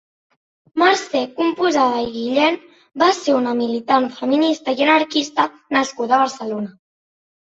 Mercè Comaposada i Guillén va ser una militant feminista i anarquista nascuda a Barcelona.